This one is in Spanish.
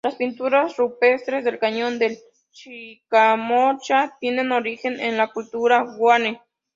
Las pinturas rupestres del Cañón del Chicamocha tienen origen en la cultura Guane.